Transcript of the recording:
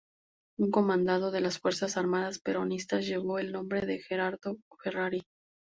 Un comando de las Fuerzas Armadas Peronistas llevó el nombre de Gerardo Ferrari.